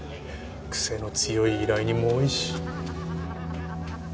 癖の強い依頼人も多いし。